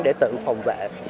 để tự phòng vệ